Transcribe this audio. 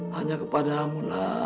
hanya kepada amulah